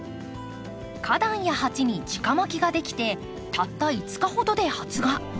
花壇や鉢に直まきができてたった５日ほどで発芽。